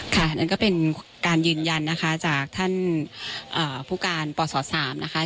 ค่ะนั่นก็เป็นการยืนยันนะคะจากท่านอ่าภูการปสสามนะคะ